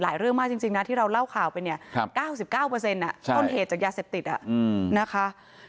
เรื่องมากจริงนะที่เราเล่าข่าวไปเนี่ย๙๙ต้นเหตุจากยาเสพติดนะคะ